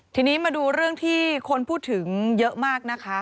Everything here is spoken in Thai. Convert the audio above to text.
ทีนี้มาดูเรื่องที่คนพูดถึงเยอะมากนะคะ